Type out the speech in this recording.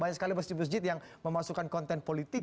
banyak sekali masjid masjid yang memasukkan konten politik